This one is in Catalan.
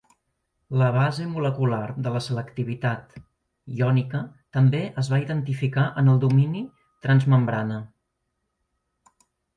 La base molecular de la selectivitat iònica també es va identificar en el domini transmembrana.